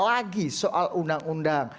lagi soal undang undang